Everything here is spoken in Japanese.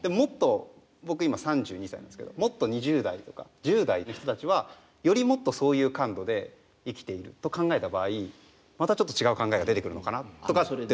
僕今３２歳なんですけどもっと２０代とか１０代の人たちはよりもっとそういう感度で生きていると考えた場合またちょっと違う考えが出てくるのかなとかって思って。